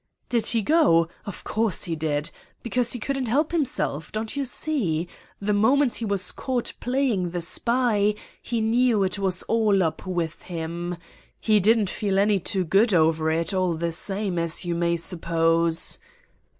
"Did he go? of course he did! Because he couldn't help himself, don't you see? the moment he was caught playing the spy he knew it was all up with him. He didn't feel any too good over it, all the same, as you may suppose."